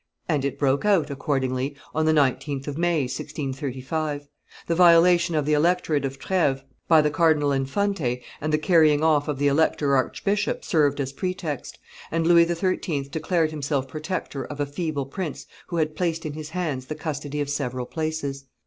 And it broke out, accordingly, on the 19th of May, 1635. The violation of the electorate of Treves by the Cardinal Infante, and the carrying off of the elector archbishop served as pretext; and Louis XIII. declared himself protector of a feeble prince who had placed in his hands the custody of several places.